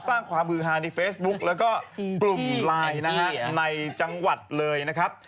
สร้างความฮือฮาในเฟซบุ๊กแล้วก็กลุ่มไลน์นะฮะในจังหวัดเลยนะครับ